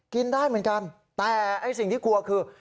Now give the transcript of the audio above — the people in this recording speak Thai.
กินได้เหมือนกันแต่ไอ้สิ่งที่กลัวคือ